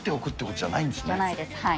じゃないです、はい。